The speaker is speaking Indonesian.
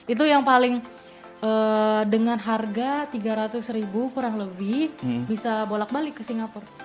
itu yang paling dengan harga tiga ratus ribu kurang lebih bisa bolak balik ke singapura